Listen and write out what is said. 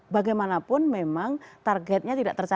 bagaimanapun memang targetnya tidak tercapai